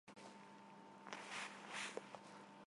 Երաժշտական համարներից ևս մեկը օգտագործվում է որպես երաժշտություն։